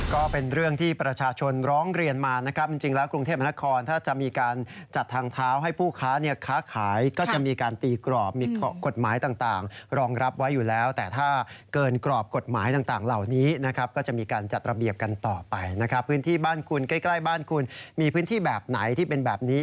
ก็เป็นเรื่องที่ประชาชนร้องเรียนมานะครับจริงแล้วกรุงเทพมนครถ้าจะมีการจัดทางเท้าให้ผู้ค้าเนี่ยค้าขายก็จะมีการตีกรอบมีกฎหมายต่างรองรับไว้อยู่แล้วแต่ถ้าเกินกรอบกฎหมายต่างเหล่านี้นะครับก็จะมีการจัดระเบียบกันต่อไปนะครับพื้นที่บ้านคุณใกล้ใกล้บ้านคุณมีพื้นที่แบบไหนที่เป็นแบบนี้